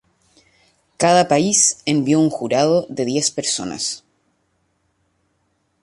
Cada país envió un jurado de diez personas.